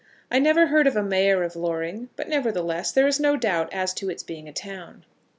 I never heard of a mayor of Loring, but, nevertheless, there is no doubt as to its being a town.